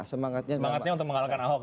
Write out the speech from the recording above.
semangatnya untuk mengalahkan ahok